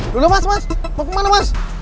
dulu mas mas mau ke mana mas